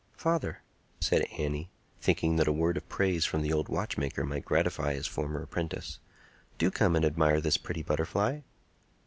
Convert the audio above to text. "Father," said Annie, thinking that a word of praise from the old watchmaker might gratify his former apprentice, "do come and admire this pretty butterfly."